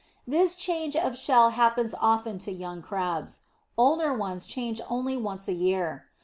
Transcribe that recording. This change of shell happens often to young Crabs. Older ones change only once a year.